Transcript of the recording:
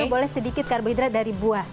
boleh sedikit karbohidrat dari buah